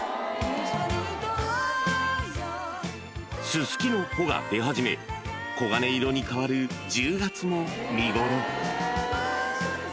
［ススキの穂が出始め黄金色に変わる１０月も見頃］